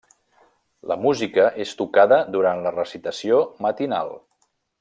La música és tocada durant la recitació matinal.